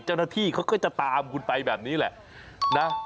เจ้าหน้าที่เขาก็จะตามคุณไปแบบนี้แหละนะ